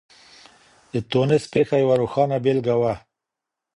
د ټونس پېښه يوه روښانه بېلګه وه.